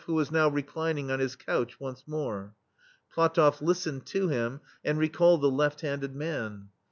who was now reclining on his couch once more. Platofl?" listened to him and re called the left handed man.